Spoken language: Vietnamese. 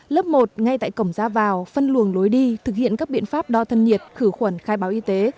lớp một ngay tại cổng ra vào phân luồng lối đi thực hiện các biện pháp đo thân nhiệt khử khuẩn khai báo y tế